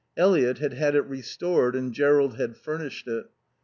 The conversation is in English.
Eliot had had it restored and Jerrold had furnished it.